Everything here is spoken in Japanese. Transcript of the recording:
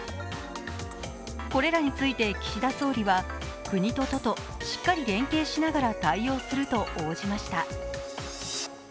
これらについて岸田総理は国と都としっかり連携しながら対応すると応じました。